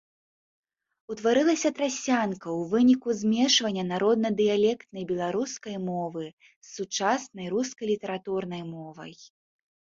Утварылася трасянка ў выніку змешвання народна-дыялектнай беларускай мовы з сучаснай рускай літаратурнай мовай.